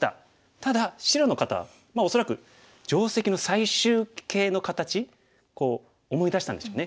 ただ白の方まあ恐らく定石の最終形の形思い出したんでしょうね。